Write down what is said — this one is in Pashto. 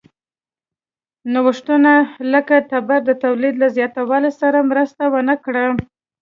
نوښتونه لکه تبر د تولید له زیاتوالي سره مرسته ونه کړه.